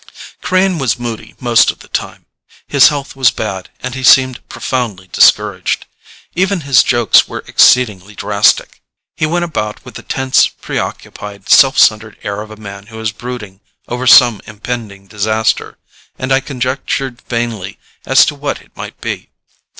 Crane was moody most of the time, his health was bad and he seemed profoundly discouraged. Even his jokes were exceedingly drastic. He went about with the tense, preoccupied, self centered air of a man who is brooding over some impending disaster, and I conjectured vainly as to what it might be.